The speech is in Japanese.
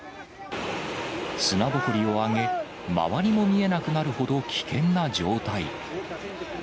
砂ぼこりを上げ、周りも見えなくなるほど、危険な状態。